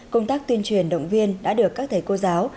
công tác tuyên truyền động viên đã được các thầy cô giáo